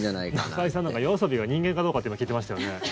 中居さんなんかＹＯＡＳＯＢＩが人間かどうかって今、聞いてましたよね？